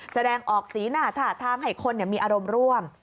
แสดงออกสีหน้าท่าทางให้คนมีอารมณ์ร่วม